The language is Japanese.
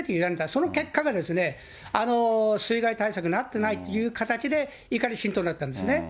その結果があの水害対策なってないという形で怒り心頭になったんですね。